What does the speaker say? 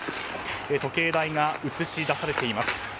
時計台が映し出されています。